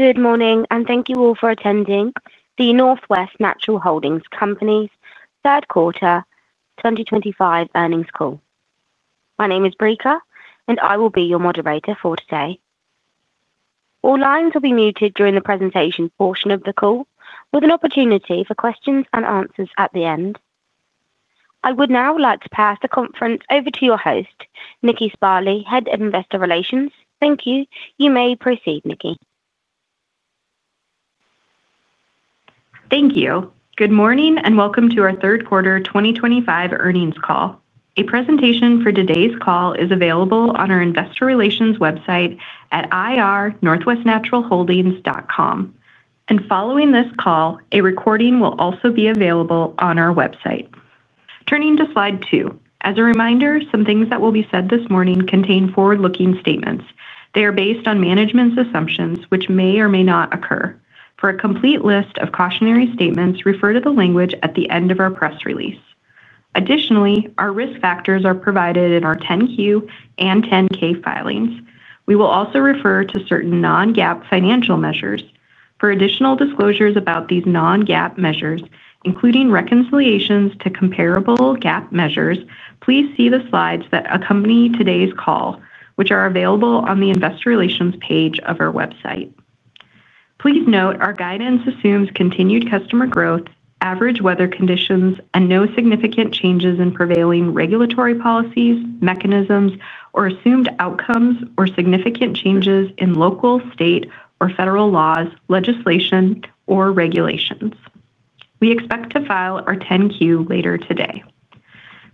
Good morning, and thank you all for attending the Northwest Natural Holding Company's third quarter 2025 earnings call. My name is Brika, and I will be your moderator for today. All lines will be muted during the presentation portion of the call, with an opportunity for questions-and-answers at the end. I would now like to pass the conference over to your host, Nikki Sparley, Head of Investor Relations. Thank you. You may proceed, Nikki. Thank you. Good morning and welcome to our third quarter 2025 earnings call. A presentation for today's call is available on our investor relations website at ir.northwestnaturalholdings.com. Following this call, a recording will also be available on our website. Turning to slide two. As a reminder, some things that will be said this morning contain forward-looking statements. They are based on management's assumptions, which may or may not occur. For a complete list of cautionary statements, refer to the language at the end of our press release. Additionally, our risk factors are provided in our 10-Q and 10-K filings. We will also refer to certain non-GAAP financial measures. For additional disclosures about these non-GAAP measures, including reconciliations to comparable GAAP measures, please see the slides that accompany today's call, which are available on the Investor Relations page of our website. Please note our guidance assumes continued customer growth, average weather conditions, and no significant changes in prevailing regulatory policies, mechanisms, or assumed outcomes or significant changes in local, state, or federal laws, legislation, or regulations. We expect to file our 10-Q later today.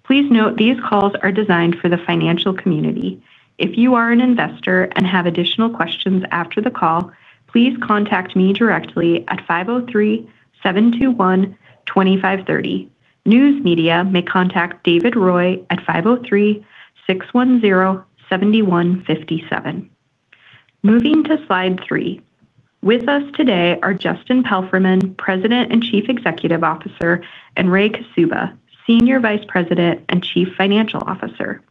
Please note these calls are designed for the financial community. If you are an investor and have additional questions after the call, please contact me directly at 503-721-2530. News media may contact David Roy at 503-610-7157. Moving to slide three. With us today are Justin Palfreyman, President and Chief Executive Officer, and Ray Kaszuba, Senior Vice President and Chief Financial Officer.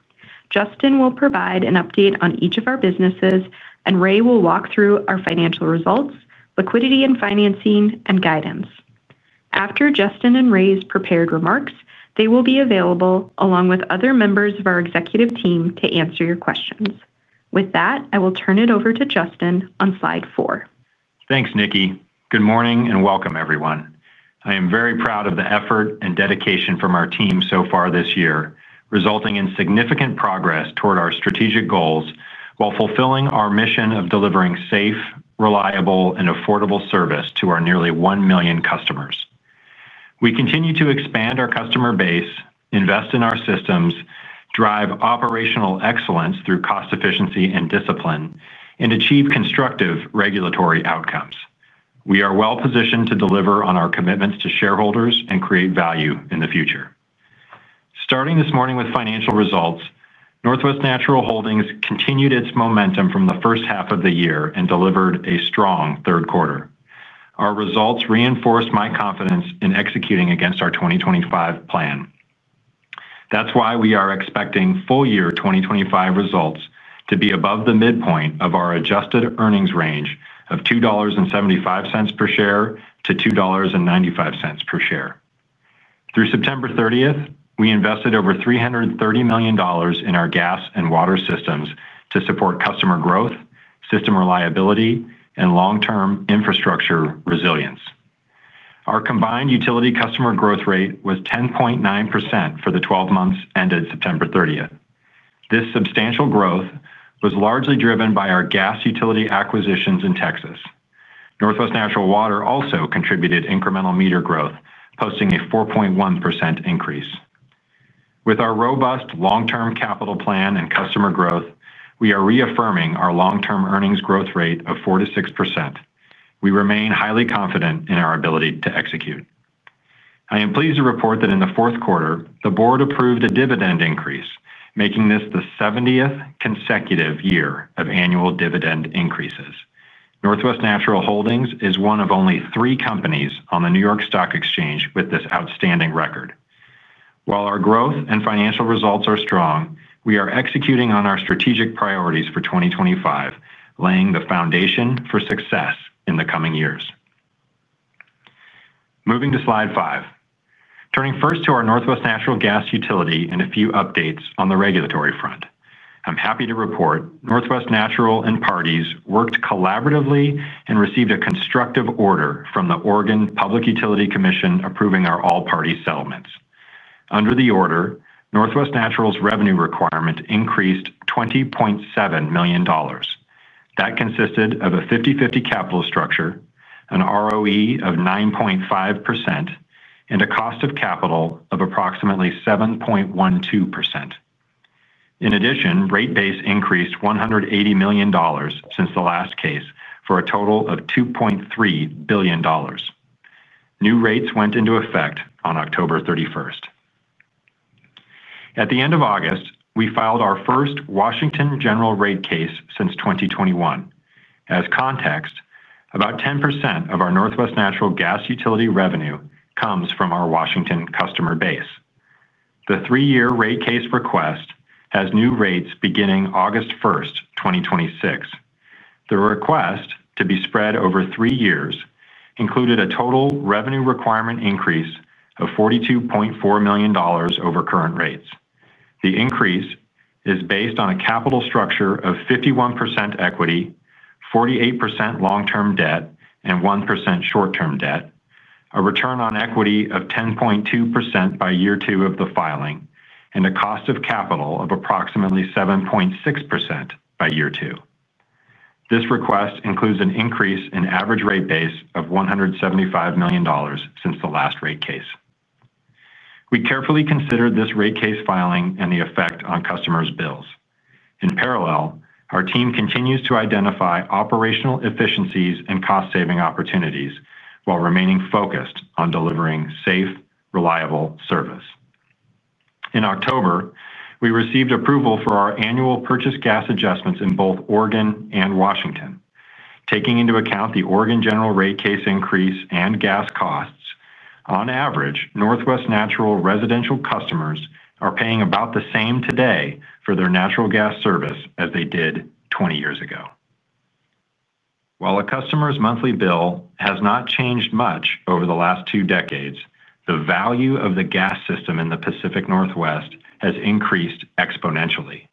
Justin will provide an update on each of our businesses, and Ray will walk through our financial results, liquidity and financing, and guidance. After Justin and Ray's prepared remarks, they will be available along with other members of our executive team to answer your questions. With that, I will turn it over to Justin on slide four. Thanks, Nikki. Good morning and welcome, everyone. I am very proud of the effort and dedication from our team so far this year, resulting in significant progress toward our strategic goals while fulfilling our mission of delivering safe, reliable, and affordable service to our nearly 1 million customers. We continue to expand our customer base, invest in our systems, drive operational excellence through cost efficiency and discipline, and achieve constructive regulatory outcomes. We are well positioned to deliver on our commitments to shareholders and create value in the future. Starting this morning with financial results, Northwest Natural Holdings continued its momentum from the first half of the year and delivered a strong third quarter. Our results reinforced my confidence in executing against our 2025 plan. That's why we are expecting full-year 2025 results to be above the midpoint of our adjusted earnings range of $2.75 per share-$2.95 per share. Through September 30th, we invested over $330 million in our gas and water systems to support customer growth, system reliability, and long-term infrastructure resilience. Our combined utility customer growth rate was 10.9% for the 12 months ended September 30th. This substantial growth was largely driven by our gas utility acquisitions in Texas. Northwest Natural Water also contributed incremental meter growth, posting a 4.1% increase. With our robust long-term capital plan and customer growth, we are reaffirming our long-term earnings growth rate of 4%-6%. We remain highly confident in our ability to execute. I am pleased to report that in the fourth quarter, the board approved a dividend increase, making this the 70th consecutive year of annual dividend increases. Northwest Natural Holdings is one of only three companies on the New York Stock Exchange with this outstanding record. While our growth and financial results are strong, we are executing on our strategic priorities for 2025, laying the foundation for success in the coming years. Moving to slide five, turning first to our Northwest Natural Gas utility and a few updates on the regulatory front. I'm happy to report Northwest Natural and parties worked collaboratively and received a constructive order from the Oregon Public Utility Commission approving our all-party settlements. Under the order, Northwest Natural's revenue requirement increased $20.7 million. That consisted of a 50/50 capital structure, an ROE of 9.5%, and a cost of capital of approximately 7.12%. In addition, rate base increased $180 million since the last case for a total of $2.3 billion. New rates went into effect on October 31st. At the end of August, we filed our first Washington general rate case since 2021. As context, about 10% of our Northwest Natural Gas utility revenue comes from our Washington customer base. The three-year rate case request has new rates beginning August 1st, 2026. The request, to be spread over three years, included a total revenue requirement increase of $42.4 million over current rates. The increase is based on a capital structure of 51% equity, 48% long-term debt, and 1% short-term debt, a return on equity of 10.2% by year two of the filing, and a cost of capital of approximately 7.6% by year two. This request includes an increase in average rate base of $175 million since the last rate case. We carefully considered this rate case filing and the effect on customers' bills. In parallel, our team continues to identify operational efficiencies and cost-saving opportunities while remaining focused on delivering safe, reliable service. In October, we received approval for our annual purchase gas adjustments in both Oregon and Washington. Taking into account the Oregon general rate case increase and gas costs, on average, Northwest Natural residential customers are paying about the same today for their natural gas service as they did 20 years ago. While a customer's monthly bill has not changed much over the last two decades, the value of the gas system in the Pacific Northwest has increased exponentially.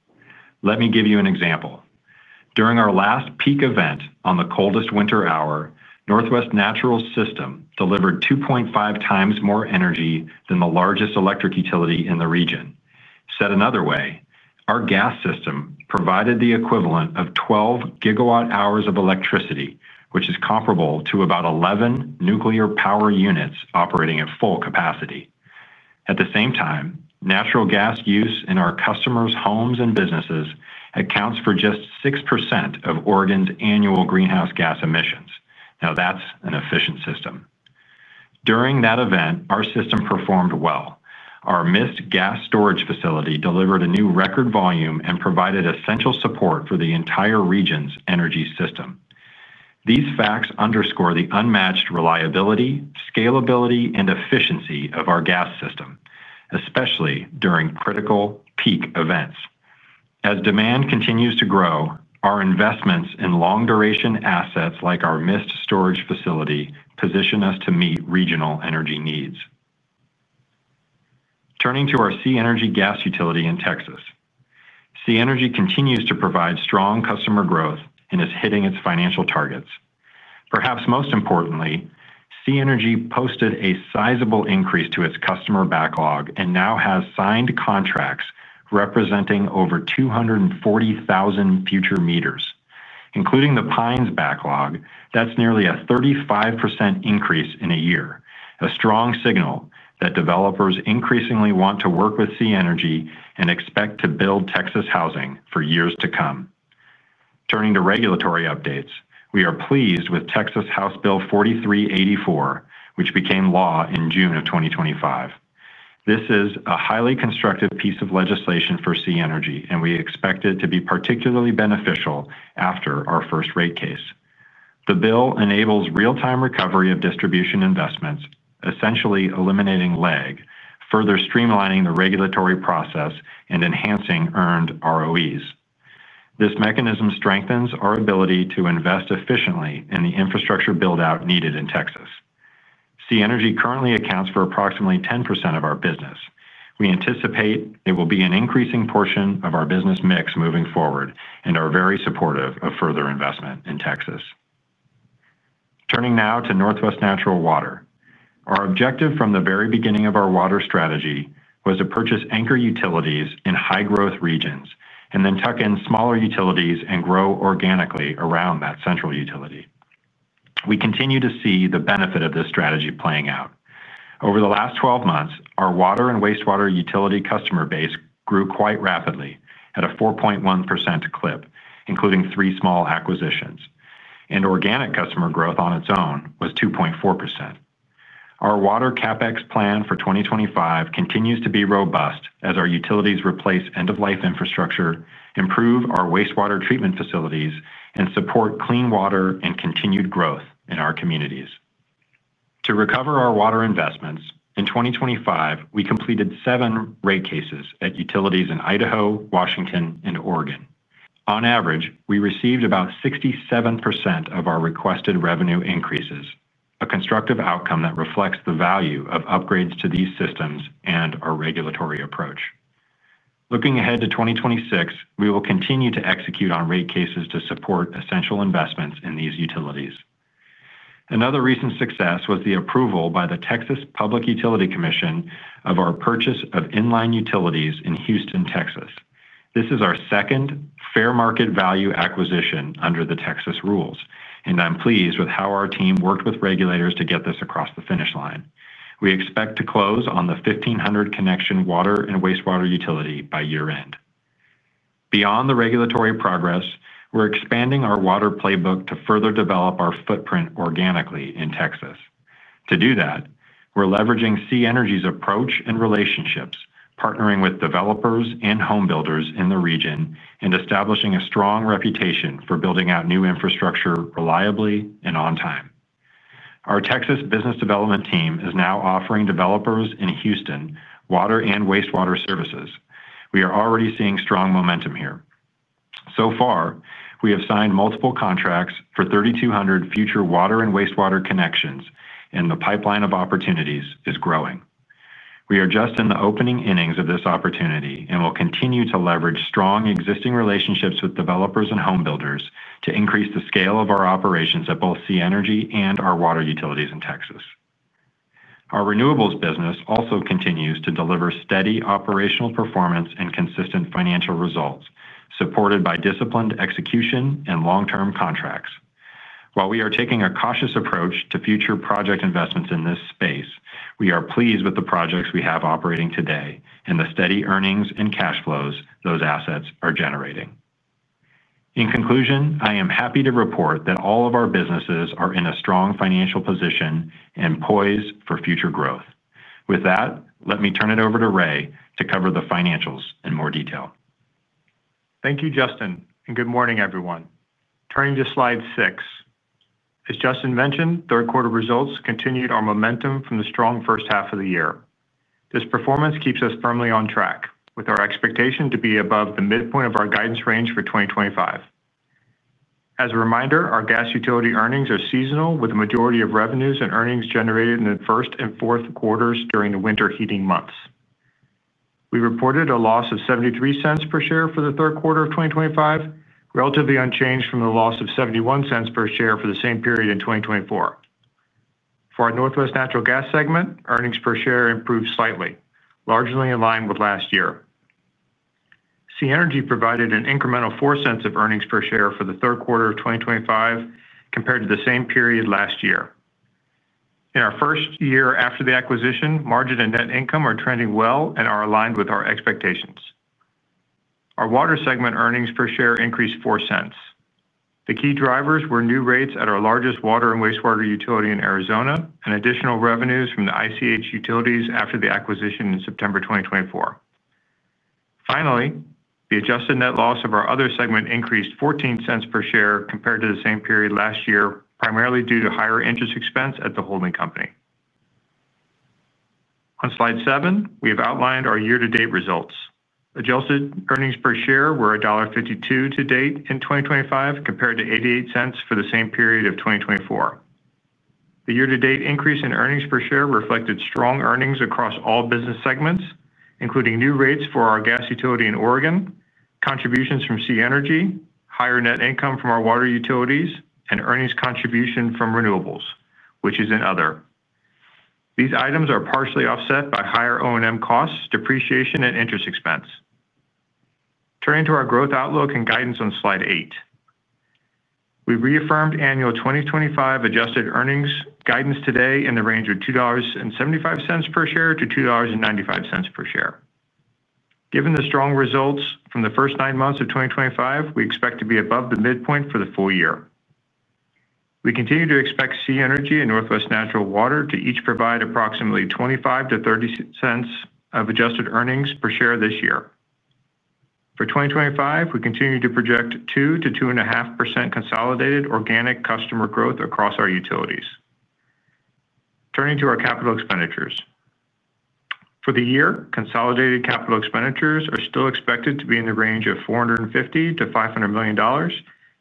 Let me give you an example. During our last peak event on the coldest winter hour, Northwest Natural's system delivered 2.5 times more energy than the largest electric utility in the region. Said another way, our gas system provided the equivalent of 12 GWh of electricity, which is comparable to about 11 nuclear power units operating at full capacity. At the same time, natural gas use in our customers' homes and businesses accounts for just 6% of Oregon's annual greenhouse gas emissions. Now, that's an efficient system. During that event, our system performed well. Our Mist gas storage facility delivered a new record volume and provided essential support for the entire region's energy system. These facts underscore the unmatched reliability, scalability, and efficiency of our gas system, especially during critical peak events. As demand continues to grow, our investments in long-duration assets like our Mist storage facility position us to meet regional energy needs. Turning to our SiEnergy gas utility in Texas. SiEnergy continues to provide strong customer growth and is hitting its financial targets. Perhaps most importantly, SiEnergy posted a sizable increase to its customer backlog and now has signed contracts representing over 240,000 future meters, including the Pines backlog. That's nearly a 35% increase in a year, a strong signal that developers increasingly want to work with SiEnergy and expect to build Texas housing for years to come. Turning to regulatory updates, we are pleased with Texas House Bill 4384, which became law in June of 2025. This is a highly constructive piece of legislation for SiEnergy, and we expect it to be particularly beneficial after our first rate case. The bill enables real-time recovery of distribution investments, essentially eliminating lag, further streamlining the regulatory process, and enhancing earned ROEs. This mechanism strengthens our ability to invest efficiently in the infrastructure build-out needed in Texas. SiEnergy currently accounts for approximately 10% of our business. We anticipate there will be an increasing portion of our business mix moving forward and are very supportive of further investment in Texas. Turning now to Northwest Natural Water. Our objective from the very beginning of our water strategy was to purchase anchor utilities in high-growth regions and then tuck in smaller utilities and grow organically around that central utility. We continue to see the benefit of this strategy playing out. Over the last 12 months, our water and wastewater utility customer base grew quite rapidly at a 4.1% clip, including three small acquisitions. Organic customer growth on its own was 2.4%. Our water CapEx plan for 2025 continues to be robust as our utilities replace end-of-life infrastructure, improve our wastewater treatment facilities, and support clean water and continued growth in our communities. To recover our water investments, in 2025, we completed seven rate cases at utilities in Idaho, Washington, and Oregon. On average, we received about 67% of our requested revenue increases, a constructive outcome that reflects the value of upgrades to these systems and our regulatory approach. Looking ahead to 2026, we will continue to execute on rate cases to support essential investments in these utilities. Another recent success was the approval by the Texas Public Utility Commission of our purchase of in-line utilities in Houston, Texas. This is our second fair market value acquisition under the Texas rules, and I'm pleased with how our team worked with regulators to get this across the finish line. We expect to close on the 1,500-connection water and wastewater utility by year-end. Beyond the regulatory progress, we're expanding our water playbook to further develop our footprint organically in Texas. To do that, we're leveraging SiEnergy's approach and relationships, partnering with developers and homebuilders in the region and establishing a strong reputation for building out new infrastructure reliably and on time. Our Texas business development team is now offering developers in Houston water and wastewater services. We are already seeing strong momentum here. So far, we have signed multiple contracts for 3,200 future water and wastewater connections, and the pipeline of opportunities is growing. We are just in the opening innings of this opportunity and will continue to leverage strong existing relationships with developers and homebuilders to increase the scale of our operations at both SiEnergy and our water utilities in Texas. Our renewables business also continues to deliver steady operational performance and consistent financial results, supported by disciplined execution and long-term contracts. While we are taking a cautious approach to future project investments in this space, we are pleased with the projects we have operating today and the steady earnings and cash flows those assets are generating. In conclusion, I am happy to report that all of our businesses are in a strong financial position and poised for future growth. With that, let me turn it over to Ray to cover the financials in more detail. Thank you, Justin, and good morning, everyone. Turning to slide six. As Justin mentioned, third-quarter results continued our momentum from the strong first half of the year. This performance keeps us firmly on track with our expectation to be above the midpoint of our guidance range for 2025. As a reminder, our gas utility earnings are seasonal, with a majority of revenues and earnings generated in the first and fourth quarters during the winter heating months. We reported a loss of $0.73 per share for the third quarter of 2025, relatively unchanged from the loss of $0.71 per share for the same period in 2024. For our Northwest Natural Gas segment, earnings per share improved slightly, largely in line with last year. SiEnergy provided an incremental $0.04 of earnings per share for the third quarter of 2025 compared to the same period last year. In our first year after the acquisition, margin and net income are trending well and are aligned with our expectations. Our water segment earnings per share increased $0.04. The key drivers were new rates at our largest water and wastewater utility in Arizona and additional revenues from the ICH Utilities after the acquisition in September 2024. Finally, the adjusted net loss of our other segment increased $0.14 per share compared to the same period last year, primarily due to higher interest expense at the holding company. On slide seven, we have outlined our year-to-date results. Adjusted earnings per share were $1.52 to date in 2025 compared to $0.88 for the same period of 2024. The year-to-date increase in earnings per share reflected strong earnings across all business segments, including new rates for our gas utility in Oregon, contributions from SiEnergy, higher net income from our water utilities, and earnings contribution from renewables, which is in other. These items are partially offset by higher O&M costs, depreciation, and interest expense. Turning to our growth outlook and guidance on slide eight. We reaffirmed annual 2025 adjusted earnings guidance today in the range of $2.75 per share-$2.95 per share. Given the strong results from the first nine months of 2025, we expect to be above the midpoint for the full year. We continue to expect SiEnergy and Northwest Natural Water to each provide approximately $0.25-$0.30 of adjusted earnings per share this year. For 2025, we continue to project 2%-2.5% consolidated organic customer growth across our utilities. Turning to our capital expenditures. For the year, consolidated capital expenditures are still expected to be in the range of $450 million-$500 million,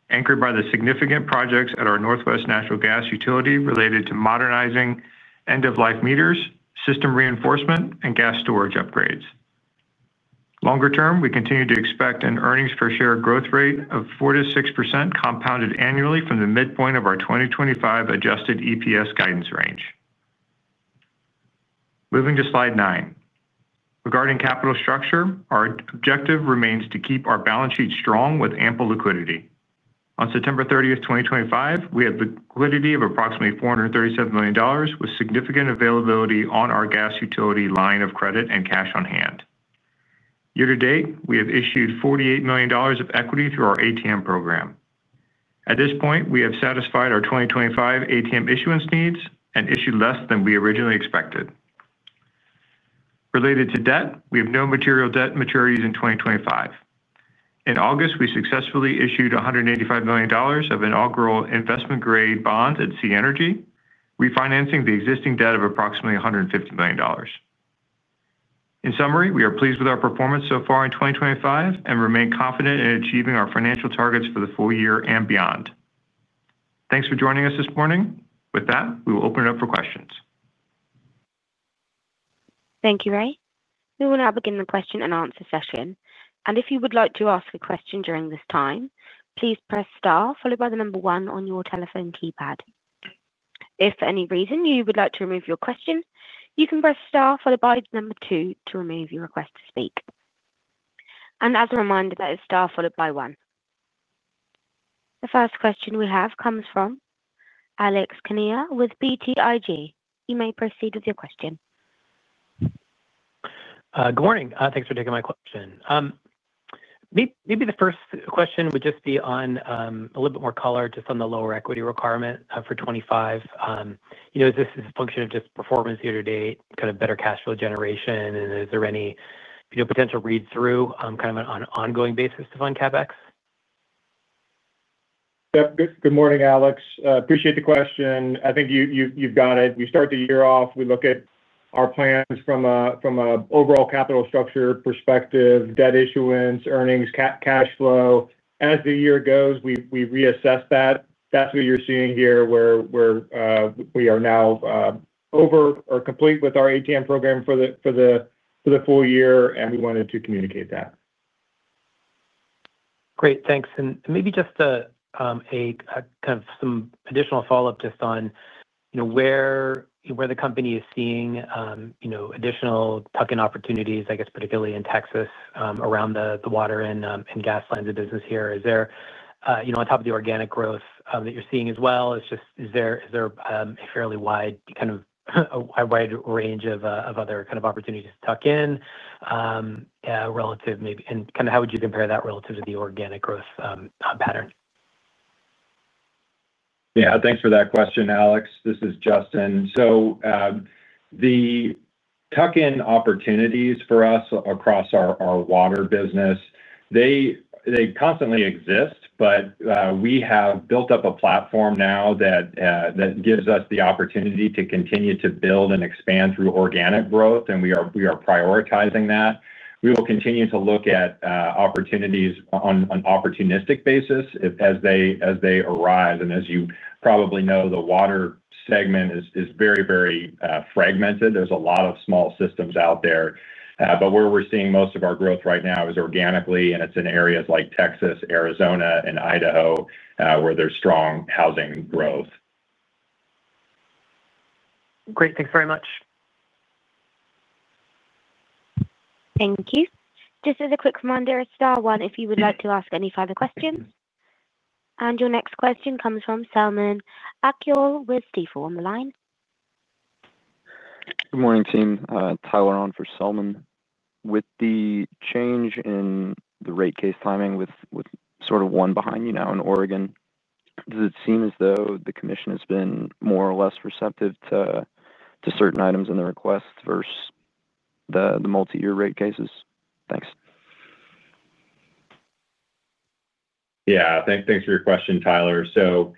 anchored by the significant projects at our Northwest Natural Gas utility related to modernizing end-of-life meters, system reinforcement, and gas storage upgrades. Longer term, we continue to expect an earnings per share growth rate of 4%-6% compounded annually from the midpoint of our 2025 adjusted EPS guidance range. Moving to slide nine. Regarding capital structure, our objective remains to keep our balance sheet strong with ample liquidity. On September 30th, 2025, we have liquidity of approximately $437 million, with significant availability on our gas utility line of credit and cash on hand. Year-to-date, we have issued $48 million of equity through our ATM program. At this point, we have satisfied our 2025 ATM issuance needs and issued less than we originally expected. Related to debt, we have no material debt maturities in 2025. In August, we successfully issued $185 million of inaugural investment-grade bonds at SiEnergy, refinancing the existing debt of approximately $150 million. In summary, we are pleased with our performance so far in 2025 and remain confident in achieving our financial targets for the full year and beyond. Thanks for joining us this morning. With that, we will open it up for questions. Thank you, Ray. We will now begin the question-and-answer session. If you would like to ask a question during this time, please press star followed by the number one on your telephone keypad. If for any reason you would like to remove your question, you can press star followed by the number two to remove your request to speak. As a reminder, that is star followed by one. The first question we have comes from Alex Kania with BTIG. You may proceed with your question. Good morning. Thanks for taking my question. Maybe the first question would just be on a little bit more color, just on the lower equity requirement for 2025. Is this a function of just performance year-to-date, kind of better cash flow generation, and is there any potential read-through on an ongoing basis to fund CapEx? Good morning, Alex. Appreciate the question. I think you've got it. We start the year off. We look at our plans from an overall capital structure perspective: debt issuance, earnings, cash flow. As the year goes, we reassess that. That's what you're seeing here, where we are now. Over or complete with our ATM program for the full year, and we wanted to communicate that. Great. Thanks. Maybe just kind of some additional follow-up just on where the company is seeing additional tuck-in opportunities, I guess, particularly in Texas around the water and gas lines of business here. Is there, on top of the organic growth that you're seeing as well, is there a fairly wide kind of range of other kind of opportunities to tuck in? Relative maybe? Kind of how would you compare that relative to the organic growth pattern? Yeah. Thanks for that question, Alex. This is Justin. The tuck-in opportunities for us across our water business, they constantly exist, but we have built up a platform now that gives us the opportunity to continue to build and expand through organic growth, and we are prioritizing that. We will continue to look at opportunities on an opportunistic basis as they arise. As you probably know, the water segment is very, very fragmented. There are a lot of small systems out there. Where we are seeing most of our growth right now is organically, and it is in areas like Texas, Arizona, and Idaho where there is strong housing growth. Great. Thanks very much. Thank you. Just as a quick reminder, star one if you would like to ask any further questions. Your next question comes from Selman Akyol with Stifel on the line. Good morning, team. Tyler on for Selman. With the change in the rate case timing with sort of one behind you now in Oregon, does it seem as though the commission has been more or less receptive to certain items in the requests versus the multi-year rate cases? Thanks. Yeah. Thanks for your question, Tyler. The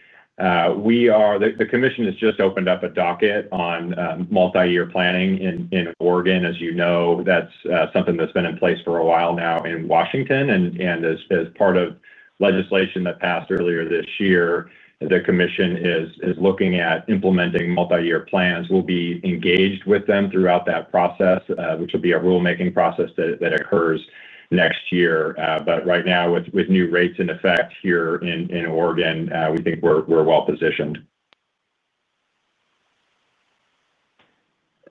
commission has just opened up a docket on multi-year planning in Oregon. As you know, that's something that's been in place for a while now in Washington. As part of legislation that passed earlier this year, the commission is looking at implementing multi-year plans. We'll be engaged with them throughout that process, which will be a rulemaking process that occurs next year. Right now, with new rates in effect here in Oregon, we think we're well-positioned.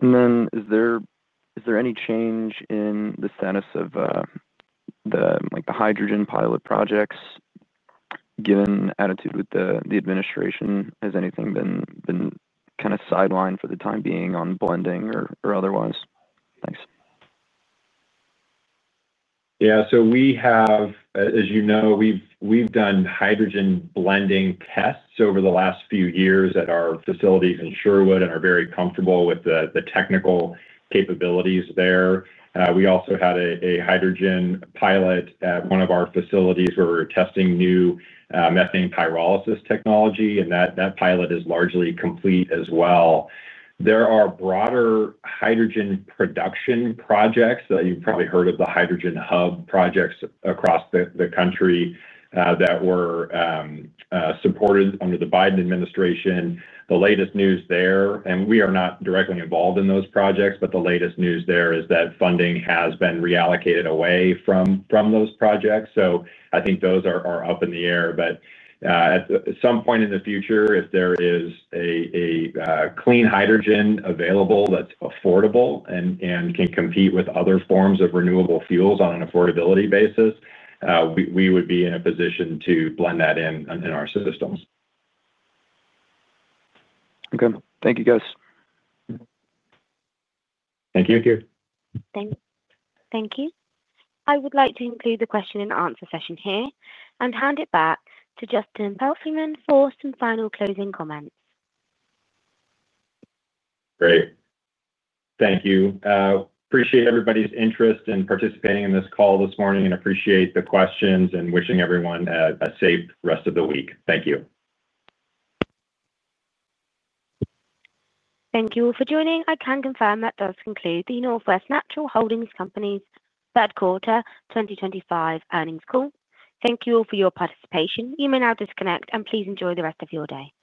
Is there any change in the status of the hydrogen pilot projects? Given attitude with the administration, has anything been kind of sidelined for the time being on blending or otherwise? Thanks. Yeah. As you know, we've done hydrogen blending tests over the last few years at our facilities in Sherwood and are very comfortable with the technical capabilities there. We also had a hydrogen pilot at one of our facilities where we were testing new methane pyrolysis technology, and that pilot is largely complete as well. There are broader hydrogen production projects. You've probably heard of the hydrogen hub projects across the country that were supported under the Biden administration. The latest news there—and we are not directly involved in those projects—the latest news there is that funding has been reallocated away from those projects. I think those are up in the air. At some point in the future, if there is a clean hydrogen available that's affordable and can compete with other forms of renewable fuels on an affordability basis, we would be in a position to blend that in our systems. Okay. Thank you, guys. Thank you. Thank you. Thank you. I would like to conclude the question-and-answer session here and hand it back to Justin Palfreyman for some final closing comments. Great. Thank you. Appreciate everybody's interest in participating in this call this morning and appreciate the questions and wishing everyone a safe rest of the week. Thank you. Thank you all for joining. I can confirm that does conclude the Northwest Natural Holding Company's third-quarter 2025 earnings call. Thank you all for your participation. You may now disconnect, and please enjoy the rest of your day.